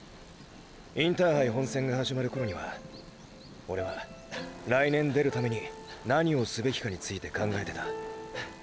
インターハイ本戦が始まる頃にはオレは来年出るために何をすべきかについて考えてた。